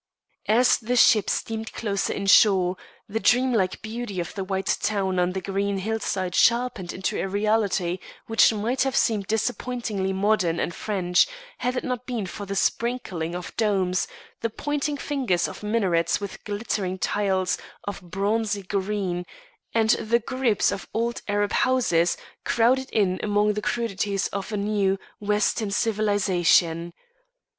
As the ship steamed closer inshore, the dreamlike beauty of the white town on the green hillside sharpened into a reality which might have seemed disappointingly modern and French, had it not been for the sprinkling of domes, the pointing fingers of minarets with glittering tiles of bronzy green, and the groups of old Arab houses crowded in among the crudities of a new, Western civilization.